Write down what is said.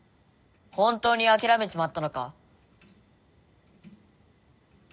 本当に諦めちまったのか？